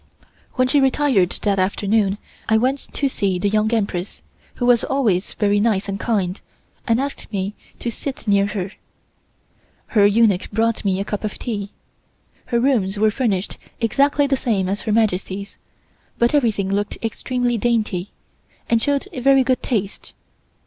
When she retired that afternoon I went to see the Young Empress, who was always very nice and kind, and asked me to sit near her. Her eunuch brought me a cup of tea. Her rooms were furnished exactly the same as Her Majesty's, but everything looked extremely dainty, and showed very good taste.